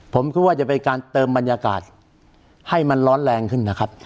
ผมคิดว่าจะเป็นการเติมบรรยากาศให้มันร้อนแรงขึ้นนะครับ